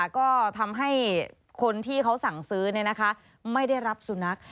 ก็ทำให้คนที่เขาสั่งซื้อไม่ได้รับสุนัข